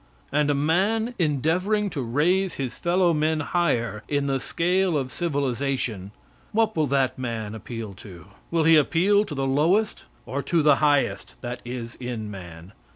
And a man endeavoring to raise his fellow men higher in the scale of civilization what will that man appeal to? Will he appeal to the lowest or to the highest that is in man?